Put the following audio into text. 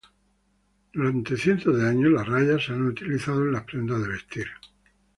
Durante cientos de años, las rayas se han utilizado en las prendas de vestir.